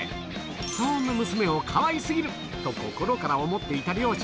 そんな娘をかわいすぎると心から思っていた両親。